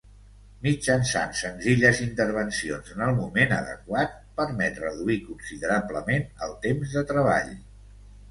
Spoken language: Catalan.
Mitjançant senzilles intervencions en el moment adequat, permet reduir considerablement el temps de treball.